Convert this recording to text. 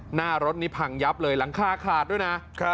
หน้ารถนี่พังยับเลยหลังคาขาดด้วยนะ